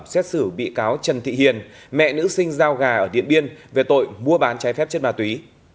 xét xử bị cáo trần thị hiền mẹ nữ sinh giao gà ở điện biên về tội mua bán trái phép chất ma túy